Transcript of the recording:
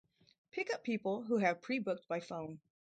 Pick up people who have pre-booked by phone.